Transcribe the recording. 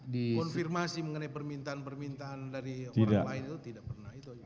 konfirmasi mengenai permintaan permintaan dari orang lain itu tidak pernah